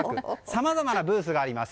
さまざまなブースがあります。